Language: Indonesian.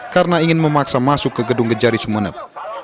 karena ingin memaksa masuk ke gedung kejari sumeneb